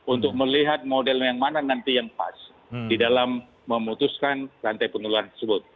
untuk melihat model yang mana nanti yang pas di dalam memutuskan rantai penularan tersebut